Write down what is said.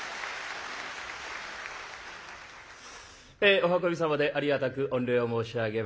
お運び様でありがたく御礼を申し上げます。